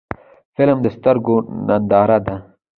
فلم د سترګو ننداره ده